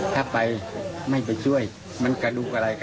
ถ้าไปไม่ไปช่วยมันกระดูกอะไร